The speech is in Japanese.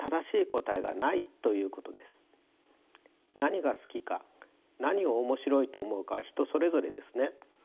何が好きか何を面白いと思うかは人それぞれですね。